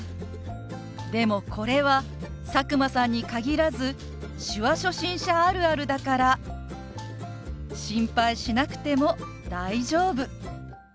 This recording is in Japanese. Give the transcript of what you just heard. でもこれは佐久間さんに限らず手話初心者あるあるだから心配しなくても大丈夫。